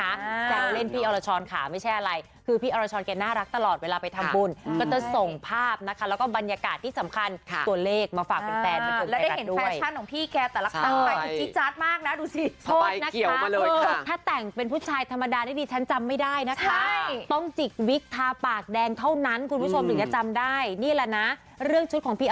แต่เราเล่นพี่ออรชรค่ะไม่ใช่อะไรคือพี่ออรชรแล้วน่ารักตลอดเวลาไปทำบุญก็จะส่ง